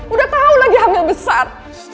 udah tahu lagi hamil besar